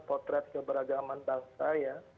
potret keberagaman bangsa